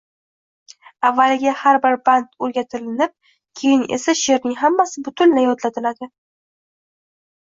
Avvaliga har bir band o‘rgatilinib, keyin esa sheʼrning hammasi butunlay yodlatiladi.